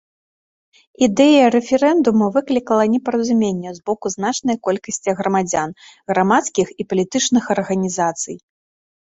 Ідэя рэферэндуму выклікала непаразуменне з боку значнай колькасці грамадзян, грамадскіх і палітычных арганізацый.